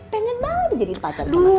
pengen banget jadi pacar sama sama